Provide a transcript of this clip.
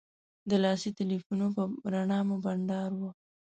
د لاسي تیلفونو په رڼا مو بنډار و.